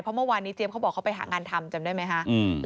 เพราะเมื่อวานนี้เจี๊ยเขาบอกเขาไปหางานทำจำได้ไหมคะ